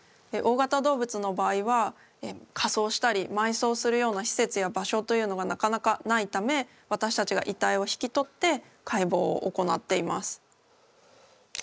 大型動物の場合は火葬したり埋葬するような施設や場所というのがなかなかないため私たちが遺体を引き取って解剖を行っています。